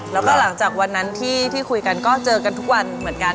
แล้วก็หลังจากวันนั้นที่คุยกันก็เจอกันทุกวันเหมือนกัน